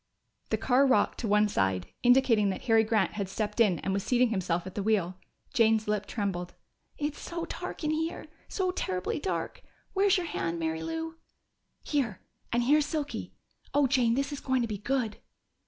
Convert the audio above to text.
The car rocked to one side, indicating that Harry Grant had stepped in and was seating himself at the wheel. Jane's lip trembled. "It's so dark in here! So terribly dark! Where's your hand, Mary Lou?" "Here and here's Silky. Oh, Jane, this is going to be good!"